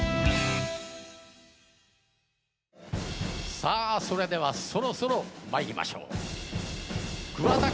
さあそれではそろそろ参りましょう。